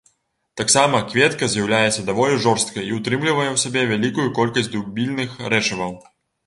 Таксама кветка з'яўляецца даволі жорсткай і ўтрымлівае ў сабе вялікую колькасць дубільных рэчываў.